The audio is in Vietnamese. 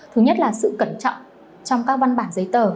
thứ nhất là sự cẩn trọng trong các văn bản giấy tờ